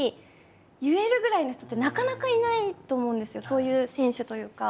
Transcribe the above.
そういう選手というか。